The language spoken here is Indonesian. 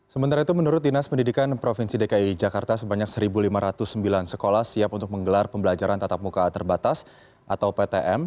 sementara itu menurut dinas pendidikan provinsi dki jakarta sebanyak satu lima ratus sembilan sekolah siap untuk menggelar pembelajaran tatap muka terbatas atau ptm